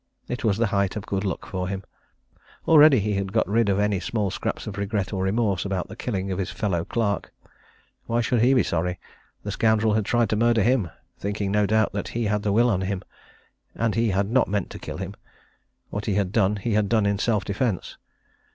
It was the height of good luck for him. Already he had got rid of any small scraps of regret or remorse about the killing of his fellow clerk. Why should he be sorry? The scoundrel had tried to murder him, thinking no doubt that he had the will on him. And he had not meant to kill him what he had done, he had done in self defence.